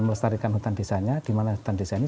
melestarikan hutan desanya dimana hutan desanya